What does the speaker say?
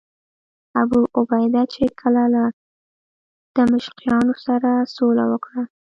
ابوعبیده چې کله له دمشقیانو سره سوله وکړه.